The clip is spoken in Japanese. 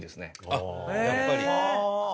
あっやっぱり。